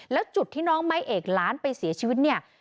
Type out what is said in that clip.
แล้วจุดที่น้องไม้เอกล้านไปเสียชีวิตเนี่ย